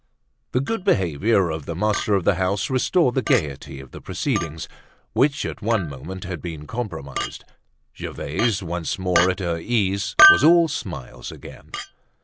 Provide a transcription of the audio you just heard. The good behavior of the master of the house restored the gaiety of the proceedings, which at one moment had been compromised. Gervaise, once more at her ease, was all smiles again.